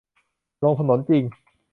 ลงถนนจริง